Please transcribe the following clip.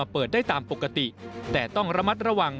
เปิดได้ตามปกติแต่ต้องระมัดระวัง